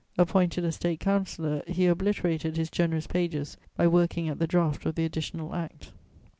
Appointed a State councillor, he obliterated his generous pages by working at the draft of the Additional Act.